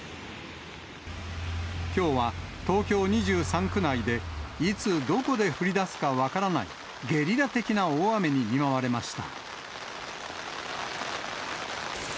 きょうは東京２３区内でいつどこで降りだすか分からない、ゲリラ的な大雨に見舞われました。